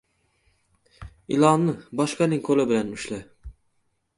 • Ilonni boshqaning qo‘li bilan ushla.